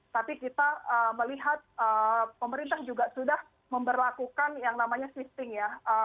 tapi kita melihat pemerintah juga sudah memperlakukan yang namanya shifting ya